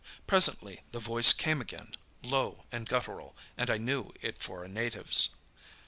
Presently the voice came again, low and guttural, and I knew it for a native's.